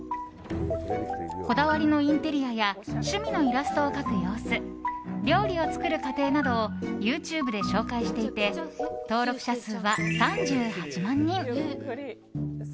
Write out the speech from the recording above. こだわりのインテリアや趣味のイラストを描く様子料理を作る過程などをＹｏｕＴｕｂｅで紹介していて登録者数は３８万人。